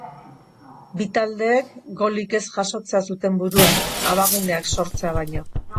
Bi taldeek golik ez jasotzea zuten buruan, abagunak sortzea baino.